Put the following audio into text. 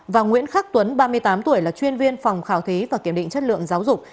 và nguyễn khắc tuấn ba mươi tám tuổi là chuyên viên phòng khảo thí và kiểm định chất lượng giáo dục